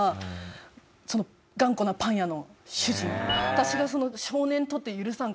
私が「少年とて許さん！